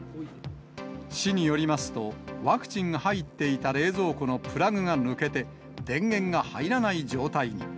市によりますと、ワクチンが入っていた冷蔵庫のプラグが抜けて、電源が入らない状態に。